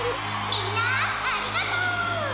「みんなありがとう！」。